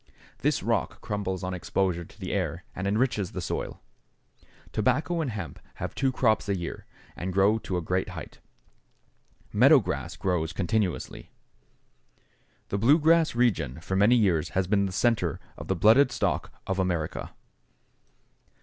This rock crumbles on exposure to the air and enriches the soil. Tobacco and hemp have two crops a year and grow to a great height. Meadow grass grows continuously. The Blue Grass Region for many years has been the centre of the blooded stock of America.